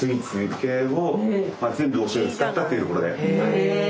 へえ！